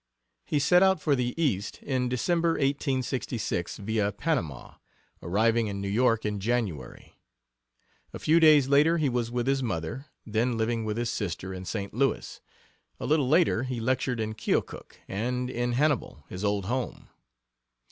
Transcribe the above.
He set out for the East in December, 1866, via Panama, arriving in New York in January. A few days later he was with his mother, then living with his sister, in St. Louis. A little later he lectured in Keokuk, and in Hannibal, his old home.